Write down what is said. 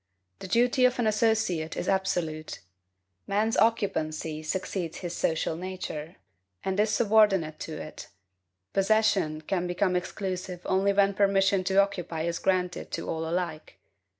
The duty of an associate is absolute. Man's occupancy succeeds his social nature, and is subordinate to it; possession can become exclusive only when permission to occupy is granted to all alike.